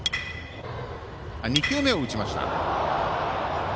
２球目を打ちました。